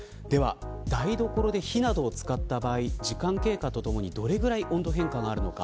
台所で火などを使った場合時間経過とともにどれだけ温度変化があるのか。